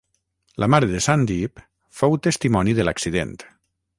La mare de Sandeep fou testimoni de l'accident.